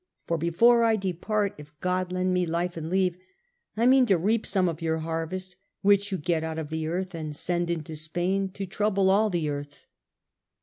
For before I depart, if God lend me life and leave, I mean to reap some of your harvest which you get out of the earth and send into Spain to trouble all the earth."